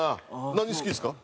何好きですか？